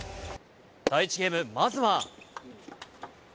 第１ゲーム、まずは。